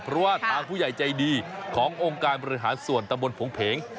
เพราะว่าทางผู้ใหญ่ใจดีขององค์การบริหารส่วนตะบนผงเพง